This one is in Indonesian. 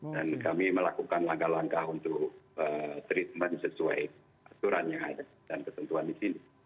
dan kami melakukan langkah langkah untuk treatment sesuai asurannya dan kesentuan di sini